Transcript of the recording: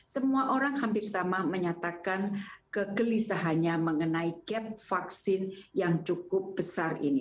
semua orang hampir sama menyatakan kegelisahannya mengenai gap vaksin yang cukup besar ini